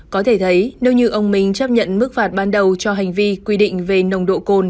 có thể thấy nếu như ông minh chấp nhận mức phạt ban đầu cho hành vi quy định về nồng độ cồn